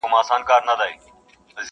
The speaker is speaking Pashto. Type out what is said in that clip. زندګي هم يو تجربه وه ښه دى تېره سوله.